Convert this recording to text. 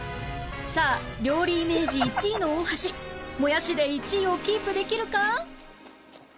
さあ料理イメージ１位の大橋もやしで１位をキープできるか？